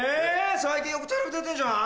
最近よくテレビ出てんじゃない？